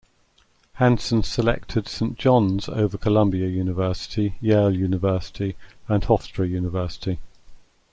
Hansen selected Saint John's over Columbia University, Yale University, and Hofstra University.